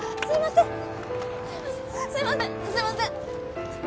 すいません。